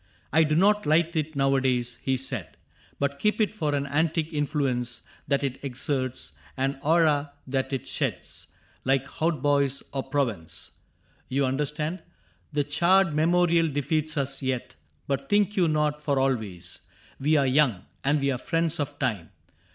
^^ I do not light it nowadays," he said, ^^ But keep it for an antique influence That it exerts, an aura that it sheds — Like hautboys, or Provence. You understand : 52 CAPTAIN CRAIG The charred memorial defeats us yet. But think you not for always. We are young, And we are friends of time.